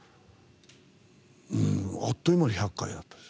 あっという間に１００回だったんです。